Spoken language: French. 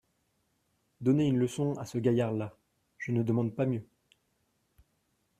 Donner une leçon à ce gaillard-là … je ne demande pas mieux.